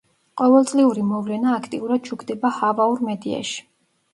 ყოველწლიური მოვლენა აქტიურად შუქდება ჰავაურ მედიაში.